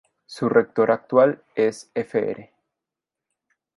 Su rector actual es Fr.